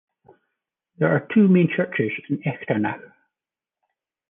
There are two main churches in Echternach.